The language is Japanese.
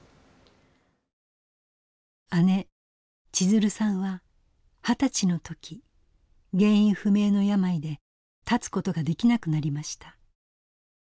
姉千鶴さんは二十歳の時原因不明の病で立つことができなくなりました。